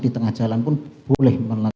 dan jika tidak